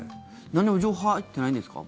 なんにも情報入ってないんですか？